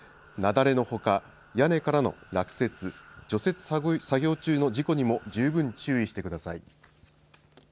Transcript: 雪崩のほか屋根からの落雪除雪作業中の事故にも十分注意してください。